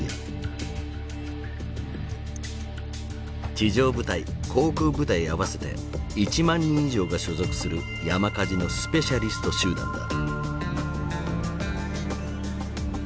地上部隊航空部隊合わせて１万人以上が所属する山火事のスペシャリスト集団だ。